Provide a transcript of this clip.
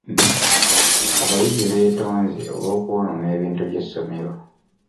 Abayizi beetonze olw'okwonoona ebintu by'essomero.